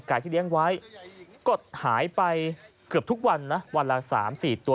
ที่เลี้ยงไว้ก็หายไปเกือบทุกวันนะวันละ๓๔ตัว